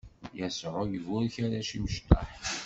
Yasuɛ iburek arrac imecṭaḥ.